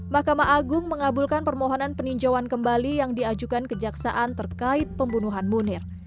mahkamah agung mengabulkan permohonan peninjauan kembali yang diajukan kejaksaan terkait pembunuhan munir